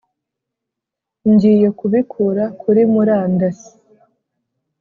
ngiye kubikura kuri murandasi